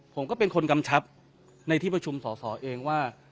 ผมก็เป็นคนกำชับในที่ประชุมสอสอเองว่า